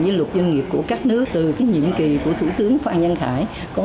với luật doanh nghiệp của các nước từ cái nhiệm kỳ của thủ tướng phan nhân khải